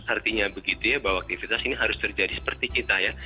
artinya begitu ya bahwa aktivitas ini harus terjadi seperti kita ya